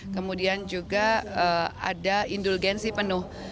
kemudian juga ada indulgensi penuh